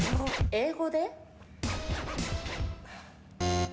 英語で？